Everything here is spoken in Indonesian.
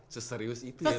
seserius itu ya mereka ya